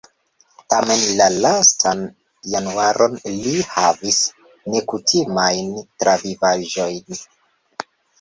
Tamen la lastan januaron li havis nekutimajn travivaĵojn.